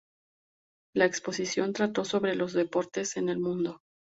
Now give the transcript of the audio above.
La Exposición trató sobre "Los deportes en el mundo".